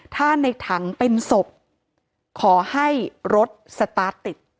ถ้าในถังเป็นศพขอให้รถสตาร์ทติด